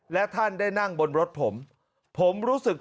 และท่านได้นั่งบนรถผม